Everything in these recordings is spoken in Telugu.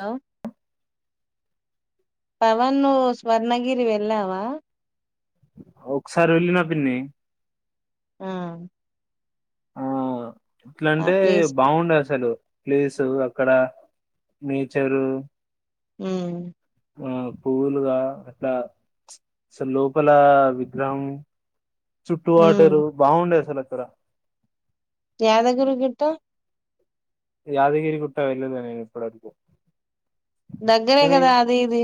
హలో పవన్ నువ్వు స్వర్ణగిరి వెళ్ళావా ఆ ఒకసారి వెళ్ళిన పిన్ని ఆ ఆ ఆ ఎట్లంటే ప్లేస్ బాగుండే అసలు. ప్లేసు అక్కడ నేచరు హ్మ్ ఆ పువ్వులుగా అట్లా సలు లోపల విగ్రహం చుట్టూ ఉమ్ వాటరు బాగుండే అసలు కరా యాద గిరీ గుట్టా యాదగిరి గుట్ట వెళ్లలే నేను ఇప్పటివరకూ దగ్గరే కదా అదీ ఇదీ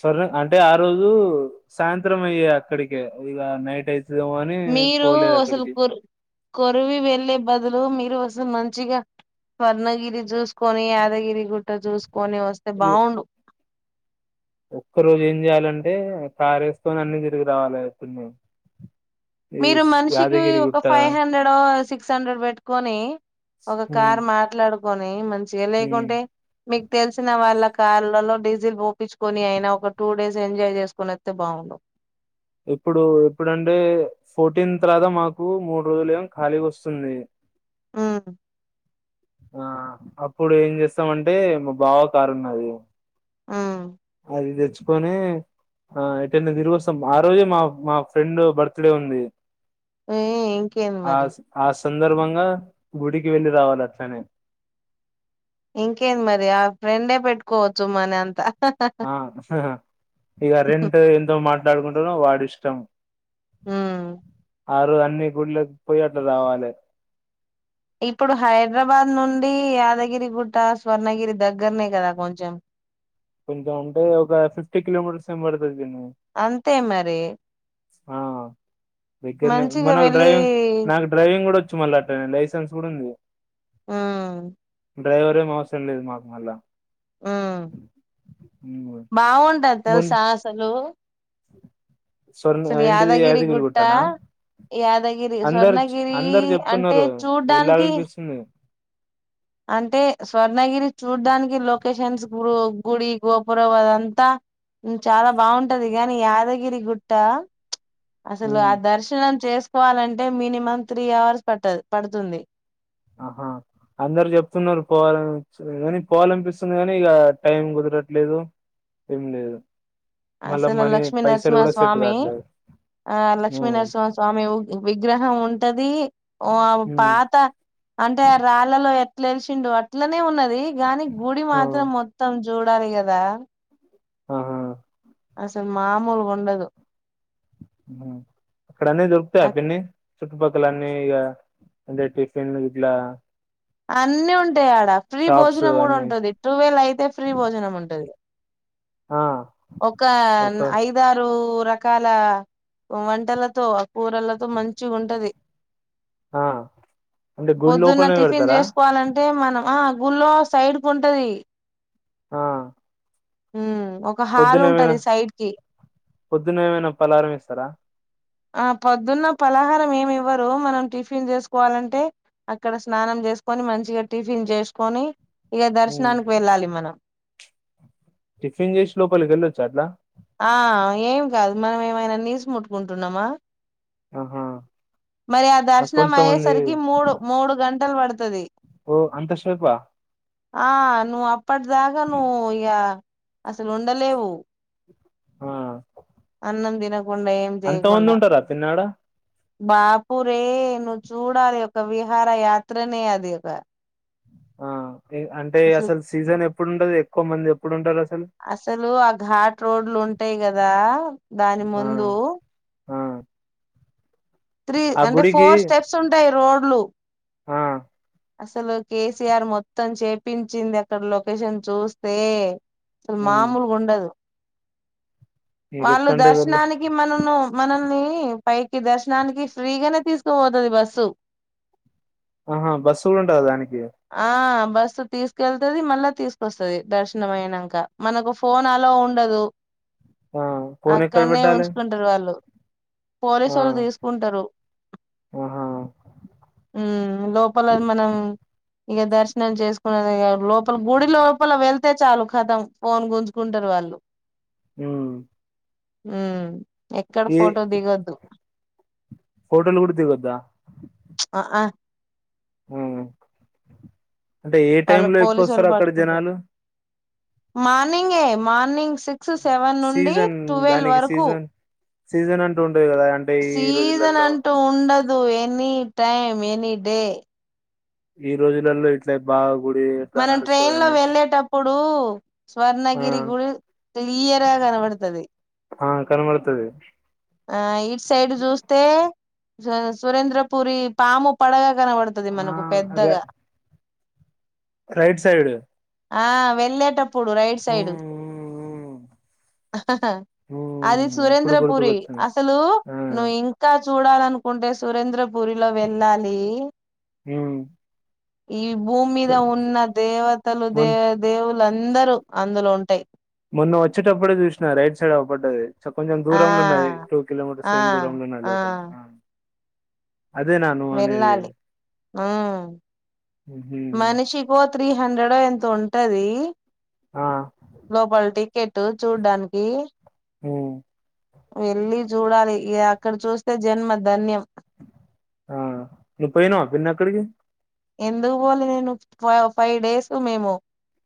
స్వర్ణ అంటే ఆ రోజు సాయంత్రం అయ్యే అక్కడికే ఇక నైట్ అయితే మీరూ అసలు కోరి కొరివి వెళ్ళే బదులు మీ కోసం మంచిగా స్వర్ణగిరి చూసుకొని యాదగిరి గుట్ట చూసుకో కొని వస్తే ఇది బాగుండు ఒక్క రోజు ఏం చేయాలంటే కారు యేసుకొని అన్ని తిరిగి రావాలి ఈ మీరు మనిషికి యాదగిరి ఒక గుట్ట ఫైవ్ హండ్రెడో సిక్స్ సిక్స్ హండ్రెడ్ పెట్టుకొనీ ఒక ఉమ్ కార్ మాట్లాడు వనే మం చిగా ఉమ్ లేకుంటే మీకు తెలిసిన వాళ్ళ కార్లలో డీజిల్ పోపించుకొని అయినా ఒక టూ డేస్ ఎంజాయ్ చేసుకుని వస్తే బాగుండు ఎప్పుడు ఎప్పుడంటే ఫోర్టీన్ తర్వాత మాకు మూడు రోజులు ఏమో ఖాళీగా వస్తుంది ఆ ఆ అప్పుడు ఏం చేస్తామంటే మా బావ కారు ఉన్నది ఆ అది తెచ్చుకొని ఆ యేటైనా తిరిగొస్తాం ఆ రోజే మా మా ఫ్రెండ్ బర్త్డే ఉంది ఏ ఇంకేంమి ఆ మరీ స్ ఆ సందర్భంగా గుడికి వెళ్ళి రావాలి అట్లనే ఇంకేంది మరి ఆ ఫ్రెండే పెట్టుకోవచ్చు మనీ అంతా ఆహా ఇంకా రెంట్ ఎంతో మాట్లాడుకుంట నో వాడిష్టం ఉమ్ ఆరు అన్నీ గుళ్లకు పోయి అట్లా రావాలి ఇప్పుడు హైదరాబాద్ నుండి యాదగిరి గుట్ట స్వర్ణగిరి దగ్గరనే కదా కొంచెం కొంచెం అంటే ఒక ఫిఫ్టీ కిలోమీటర్స్ ఏమో పడుతాది అంతే మరీ ఆ దగ్గరి నుంచి మంచిగా మనకు వెళ్ళి డ్రైవింగ్ నాకు డ్రైవింగ్ కూడా మళ్ళట్టనే లైసెన్స్ కూడా ఉంది ఆ డ్రైవర్ ఏమ్ అవసరం లేదు మాకు మళ్ళా ఊ బాగుంటది మున్ తెలుసా అసలూ స్వర్ణ అసలు ఏంటిది యాదగిరి గుట్ట గుట్టనా యాదగిరి అందరు స్వర్ణగిరీ అందరు అంటే చెప్తున్నారు చూడ్డానికి వెళ్ళాలనిపిస్తుంది కేషన్స్ గు గుడి గోపురవాద్ అంతా చాలా బాగుంటది కాని యాదగిరి గుట్టా అసలు ఉమ్, ఆ దర్శనం చేసుకు కోవాలంటే మినిమం త్రీ అవర్స్ పట్టదు పడుతుంది ఆహా అందరు చెప్తున్నారు పోవాలని కానీ పోవాలనిపిస్తుంది కాని ఇక టైం కుదరట్లేదు ఏం లేదు మళ్ళా అసలు మనీ పైసలు కూడా సెట్ లక్ష్మీనరసింహస్వామి కావట్లేదు ఆ ఉమ్, లక్ష్మీనరసింహస్వామి విగ్రహం ఉంటది దీ ఉమ్ పాత అంటే రాళ్ళలో తెలిసిండు అట్లనే ఉన్నది గాని గుడి ఆ, మాత్రం మొత్తం చూడాలి కదా ఆహా అసలు మామూలు గుండదు అక్కడ అన్ని ఆ దొరుకుతాయ పిన్ని చుట్టుపక్కల అన్నీ ఇగా అందే టిఫిన్ ఇట్లా అన్నీ ఉంటాయి ఆడ ఫ్రీ షాప్స్ భోజనం కూడా అన్ని ఉంటుది టువేల్ అయితే ఫ్రీ భోజనం ఉంటుది. ఆ ఒక ఒక న ఐదారు ర రకాల వంటలతో ఆ కూరలతో మంచిగుంటది ఆ అంటే గుడి పొద్దున్న లోపలనే టిఫిన్ పెడతారా చేసుకోవాలంటే మనమా ఆ గుల్లో సైడ్ కు ఉంటది ఆ హుమ్ ఒక హాల్ పొద్దున ఏమైనా ఉంటది సైడ్ కి పొద్దున ఏమైనా పలారం ఇస్తారా ఆ పొద్దున్న పలహారం ఏమి ఇవ్వరు మనం టిఫిన్ చేసుకోవాలంటే అక్కడ స్నానం చేసుకొని మంచిగా టిఫిన్ చేసుకొని ఇక ఉమ్ దర్శనానికి వెళ్ళాలి మనం టిఫిన్ చేసి లోపలికి వెళ్ళొచ్చా అట్లా ఆ ఏం కాదు మనం ఏమైనా నీసు ముట్టుకుంటున్నామా ఆ హా మరి ఆ దర్శనం అయ్యేసరికి మూడు మూడు గంటలు పడుత తది ఓ అంత శేపా ఆ నువ్ అ పడ్ దాగా నువు ఇగ అసలు ఉండలేవు ఆ అన్నం దినక్ అంత మంది ఉంటారా పిన్ని ఆడ బాపూరే నువ్వు చూడాలి ఒక విహార యాత్రనే అది ఒక ఆ అంటే అసలు సీజన్ ఎప్పుడు ఉండదు ఎక్కువ మంది ఎప్పుడు ఉంటది అసల్ అసలు ఆ ఘాట్ రోడ్లు ఉంటాయి కదా దాని ఆ ముందు ఆ త్రీ ఆ అంటే గుడికి ఫోర్ స్టెప్స్ ఉంటాయి రోడ్ లు [inaudible] ఆ అసలు కేసీఆర్ మొత్తం చేపించింది అక్కడ లొకేషన్ చూస్తే అసల్ ఉమ్ మామూలు గుండదు నీకు వాళ్ళు చెప్తాంటే వీళ్ళు దర్శనానికి మనను మనల్ని పైకి దర్శ దానికి ఫ్రీగానే తీసుకోపోతది బస్సు ఆహా బస్సు కూడా ఉంటదా దానికి ఆ బస్సు తీసుకెళ్తుది మళ్ళా తీసుకొస్తది దర్శనం అయినాక మనకు ఫోన్ అలా ఉండదు ఆ ఫోన్ ఎక్కడ అక్కడనే పెట్టాలి ఉంచుకుంటారు వాళ్ళు ఆ పోలీసులూ తీసు కుంటారు ఆహా లోపల మనం ఇక దర్శనం చేసుకున్నదిగా లోపల గుడి లోపల వెళ్తే చాలు కథం ఫోన్ గుంజుకుంటారు వాళ్ళు. ఉమ్ ఉమ్ ఎక్కడ ఫోటో దిగొద్దు ఫోటోల్ కూడా దిగద ఆ ఆ ఉమ్ అంటే ఏ టై లో ఎక్కువ వస్తారు అక్కడ జనాలు మార్నింగ్ ఏ మార్నింగ్ సిక్స్ సెవెన్ నుండి సీజన్ ట్వెల్వ్ దానికి వరకు సీజన్ సీజన్ అంట ఉంట కదా అంటే ఈ రోజులలో అందు ఎనీ టైమ్ ఎనీ డే ఈ రోజులలో ఇట్ల బా మనం ట్రైన్ లో వెళ్ళేటప్పు ప్పుడు ఆ స్వర్ణగరి గురు క్లియరా కనపడతది ఆ కనబడుతది ఆ ఇట్ సైడ్ చూస్తే స సురేంద్రపుూరి పాము పడగా కనపడుతుది ఆ మనకు రై పెద్దగా రైట్ సైడ్ ఆ వెళ్ళేటప్ ప్పుడు రైట్ సైడ్ ఉమ్ ఉమ్, అది ఉమ్. ఇప్పుడు సురేంద్రపురి గుర్తుకొచ్చింది అసలు ఆ నువ్వు ఇంకా చూడాలను కుంటె సురేంద్ర పూరిలో వెళ్ళాలి ఉమ్ ఈ భూమిద సరే. ఉన్న దేవతలు దే మొన్ దేవులు అందరూ అందులో ఉంటాయి మొన్న వచ్చేటప్పుడే చూసిన రైట్ సైడ్ అవ్వబడ్డది. కొంచెం ఆ దూరంలో ఉన్నాయి. టూ కిలోమీటర్స్ ఆ ఏం దూరంలో ఉన్నాయి ఆ లోపలి అ వెళ్ళాలి ఉం ఉహు మనిషి కో త్రీ హండ్రెడ్ ఎంత ఉంటది. ఆ లో పాలిటిక్ కెట్టు చూడ్డానికి ఊ వెళ్ళి చూడాలి. ఇక అక్కడ చూస్తే జన్మ ధన్యం. ఆ నువ్వు పోయినావా పిన్నీ అక్కడికి ఎందు పోలే నేను ఫైవ్ డేస్ మేము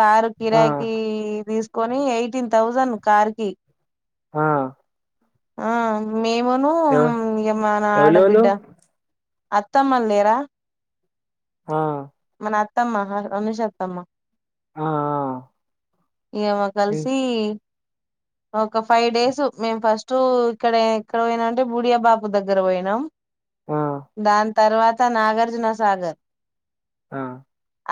కారు ఆ కిరాయికి తీసుకొని ఎయిటీన్ థౌజండ్ కార్కి హా ఆను మేమును ఏమ ఎవలెవలు ఆడబిడ్డ అత్తమ్మల్ లేరా ఆ నా అత్తమ్మ అనుషాత్తమ్మ ఆ ఆ ఏమో ఇ కలిసి ఒక ఫైవ్ డేస్ మేము ఫస్ట్ ఇక్కడ ఇక్కడ పోయినా అంటే బూడియా బాబు దగ్గర పోయినాం. ఆ దా తర్వాత నాగార్జునసాగర్ ఆ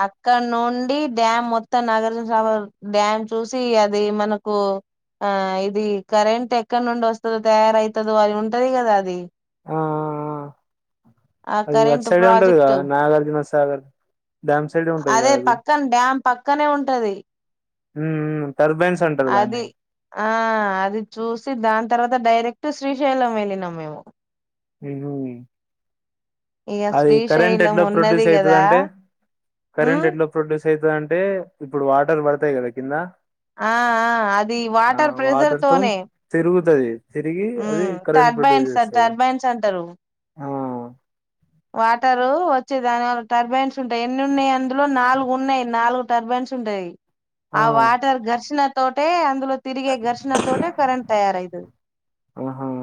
అక్కడ నుండి డ్యామ్ మొత్తం నాగార్జునసాగర్ డ్యామ్ చూసి అది మనకు ఆ ఇది కరెంటు ఎక్కడ నుండి వస్తదో, తయారుయితాదో అది ఉంటదో కదా అది. ఆ ఆ అది అట్ కరెంట్ సైడే ఉంటదిగా, ప్రాజెక్టు నాగార్జున స సగదు అదే పక్కన డ్యామ్ పక్కనే ఉంటది. ఉ ఉ టర్బైన్స్ అంటారు అది దాన్ని. ఆ అది చూసి దాని తర్వాత డైరెక్ట్ శ్రీశైలం వెళ్ళినాం మేము. హ హు ఇగ అది కరెంట్ శ్రీశైలం ఎట్లా ఉన్నది ప్రొడ్యూస్ గదా అవుతుందింటే, ఉమ్ కరెంట్ ఎట్లా ప్రొడ్యూస్ తు అంటే ఇప్పుడు వాటర్ పడతాయి కదా కింద. ఆ ఆ అది వాటర్ ప్రెజర్ తోనే తది తిరిగి అది ఉమ్ కరెంట్ ప్రొడ్యూస్ టర్బైన్స్ చేస్తది. టర్బైన్స్ అంటరు ఆ అ వాటరు వచ్చే దానివల్ల టర్బైన్స్ ఉంటాయి ఎన్ని ఉన్నయి అందులో నాలుగు ఉన్నాయి నాలుగు టర్బైన్స్ ఉంటయి ఆ వాటర్ ఘర్షణ తోటే అందులో తిరిగి ఘర్షణ తోటే కరెంట్ తయారవుతుది ఆహా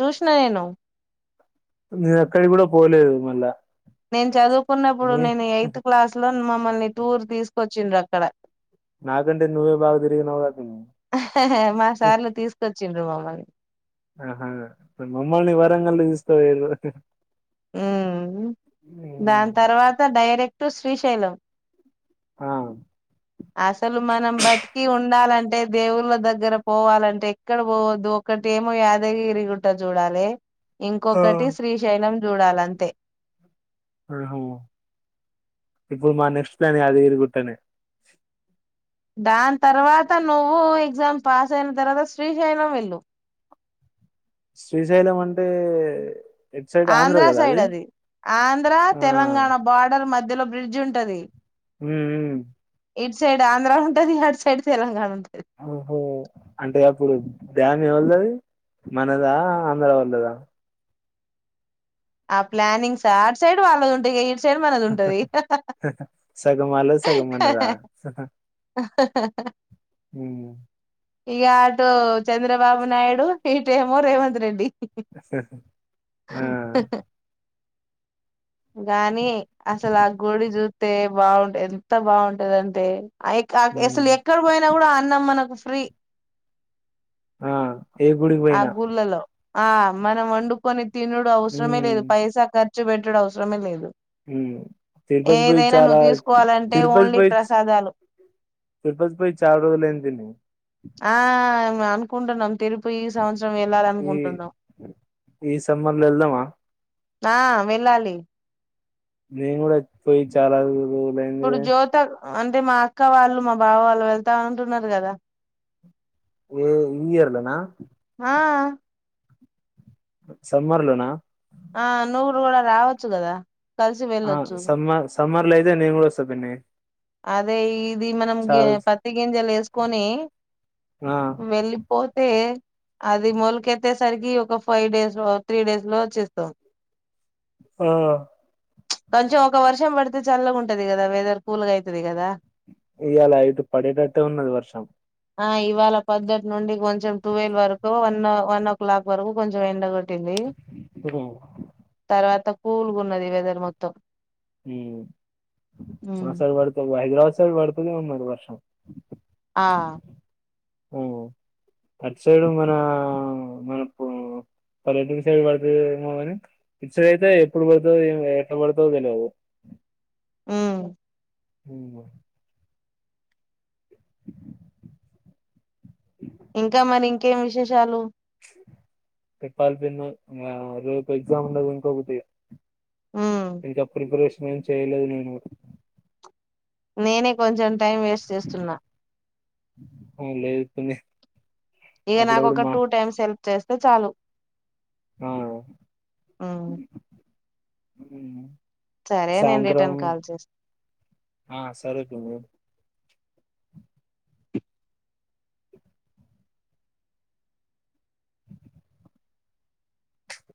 చూసిన నేను నేన్ అక్కడికి కూడా పోలేదు మళ్ళా నేను చదువు కొన్నప్పుడు నీ నేను ఎయిత్ క్లాస్ లో మమ్మల్ని టూర్ తీసుకొచ్చిండ్రు అక్కడ నా గంటే నువ్వే భాగ తిరిగినవ్ కదా మా సార్లు తీసుకొచ్చిండ్రు మమ్మల్ని ఆ హా మమ్మల్ని వరంగల్ కి తీసుకపోయిండ్రు ఉ దాని తర్వాత డైరెక్ట్ టు శ్రీశైలం ఆ అసలు మనం బతికి ఉండాలంటే దేవుళ్ళ దగ్గర పోవాలంటే ఎక్కడ పోవద్దు ఒకటి ఏమో యాదగిరి గుట్ట చూడాలి ఆ ఇంకొకటి శ్రీశైలం చూడాలంతే హ ఇప్పుడు మా నెక్స్ట్ ప్లాన్ యాదగిరి గుట్టనే దాని తర్వాత నువ్వు ఎగ్జామ్ పాస్ అయిన తర్వాత శ్రీశైలం వెళ్ళు శ్రీశైలం అంటే ఎటు సైడ్ ఆంధ్ర కదా సైడ్ అది ఆంధ్ర ఆ తెలంగాణ బార్డర్ మధ్య ధ్యలో బ్రిడ్జ్ ఉంటది ఉ ఉ ఇటు సైడ్ ఆంధ్ర ఉంటది అటు సైడ్ తెలంగాణ ఉంటది ఓ హో అంటే అప్పుడు డ్యామ్ ఎవల్దది అది మనదా ఆంధ్ర వాళ్ళదా ఆ ప్లానింగ్స్ ఆ అటు సైడ్ వాళ్ళ ఉంటే గ సగం వాళ్ళది సగం మనద ఇక అటు చంద్రబాబు నాయుడు ఇటేమో రేవంత్ రెడ్డి ఆ గానీ అసలా గుడి జు అే బాగుండేది ఎంత బాగుంటదదంటే అ క ఉమ్ అసలు ఎక్కడ పోయినా కూడా అన్నం మనకు ఫ్రీ ఆ ఏ గుడికి ఆ పోయినా గుళ్ళలో ఆ మనం వండుకొని తినుడు అవసరమే హ్మ్ లేదు పైసా కర్ చ్చు పెట్టుడు అవుస్ సరమే లేదు ఉమ్ తిరుపతి పోయి ఏదైనా చాలా నువ్వు తీసుకోవాలంటే తిరుపతి ఓన్లీ పోయిచ్ ప్రసాదాలు తిరుపతి పోయి చాలా రోజులు అయింది పిన్ని మే అనుకుంటున్నాం తిరుపి ఈ సంవచ్ ఈ ఈ సమ్మర్లో వెల్దామా ఆ వెళ్ళాలి నేను కూడా పోయి చాలా [inaudible] రోజులైంది ఇప్పుడు గా జ్యోత అంటే మా అక్క వాళ్ళు మా బావ వాళ్ళు వెళ్తా అంటున్నారు కదా ఏ ఈ ఇయర్లొ నా ఆ సమ్మర్లో నా ఆ నువ్వురు కూడా రావచ్చు కదా కలిసి ఆ వెళ్ళొచ్చు సమ్మర్ సమ్మర్ లో ఐతే నేను కూడా వస్తా పిన్ని అదే ఈ ఇది మనం గి చాలా పత్తి గింజలు వేస్కొని ఆ వెళ్లిపోతే అది మొలికెత్తేసరికి ఒక ఫైవ్ డేస్ లో త్రీ డేస్ లో వచ్చేస్తావ్ ఆ ప్చ్ కొంచెం ఒక వర్షం పడితే చల్లగా ఉంటది కదా వెదర్ కూల్ గా అయితది కదా ఇయాళ అయితే పడేటట్టే ఉన్నది వర్షం ఆ ఇవాళ పద్ధట్ నుండి కొంచెం టువెల్వ్ వరకు వన్ వన్ ఓ క్లాక్ వరకు కొంచెం ఎండకోడ్ పెట్టింది తర్వాత కూల్ గా ఉన్నది వెదర్ మక్ తం ఉమ్ [unintelligible] ఉమ్ అసల్ పడుతూనే ఉన్నది వర్షం ఆ ఆ అటు సైడు మన మనకు పల్లెటూరు సైడ్ పడుతుందేమో కాని ఇ సైడ్ అయితే ఎప్పుడు పడుతో ఎట్లా పడుతో తెలివు హ్మ్ హ్మ్ ఇంకా మనీ ఇంకేం విశేషాలు చెప్పాల్సింది మ్మ్ రోప్ ఎగ్జామ్ ఉండది ఇంకొకటి ఉమ్ ఇంకా ప్రిపరేషన్ ట్రై చేయలేదు నేను నేనే కొంచెం టైం వేస్ట్ చేస్తున్నా ఆ లేదు పిన్ని ఇగ నాకు అప్పుడప్పుడు ఒక మా టూ టైమ్స్ హెల్ప్ చేస్తే చాలు ఆ ఆ ఉమ్ సాంద్రం రిటర్న్ కాల్ చేస్తా ఆ సరే పిన్నీ